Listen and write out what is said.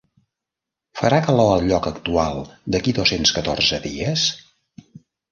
Farà calor al lloc actual d'aquí dos-cents catorze dies?